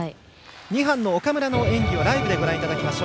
２班の岡村の演技をライブでご覧いただきます。